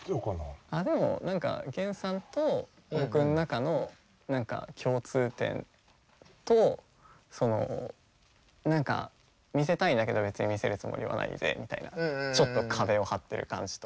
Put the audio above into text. でも何か源さんと僕の中の何か共通点とその何か見せたいんだけど別に見せるつもりはないぜみたいなちょっと壁を張ってる感じと。